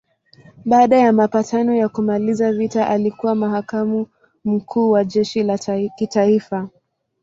Baada ya mapatano ya kumaliza vita alikuwa makamu wa mkuu wa jeshi la kitaifa.